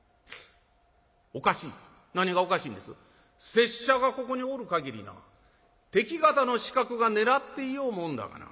「拙者がここにおる限りな敵方の刺客が狙っていようもんだがな。